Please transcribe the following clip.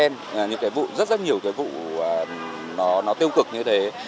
những cái vụ đánh ghen những cái vụ rất rất nhiều cái vụ nó tiêu cực như thế